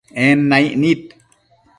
En naic nid